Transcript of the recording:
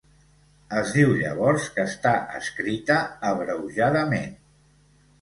Es diu llavors que està escrita "abreujadament".